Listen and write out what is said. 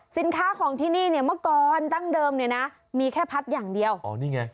สินค้าของที่นี่เนี่ยเมื่อก่อนตั้งเดิมเนี่ยนะมีแค่พัดอย่างเดียวอ๋อนี่ไง